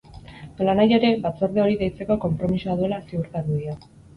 Nolanahi ere, batzorde hori deitzeko konpromisoa duela ziurtatu dio.